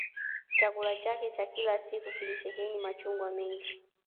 Chakula chake cha kila siku kilisheheni machungwa mengi